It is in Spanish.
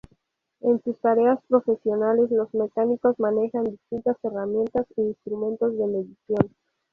En sus tareas profesionales los mecánicos manejan distintas herramientas e instrumentos de medición.